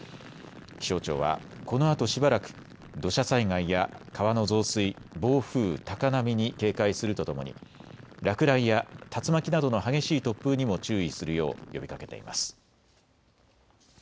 気象庁はこのあとしばらく土砂災害や川の増水、暴風、高波に警戒するとともに落雷や竜巻などの激しい突風にも注意するよう呼びかけています。